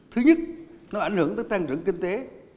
thứ nhất nó ảnh hưởng tới tăng trưởng kinh tế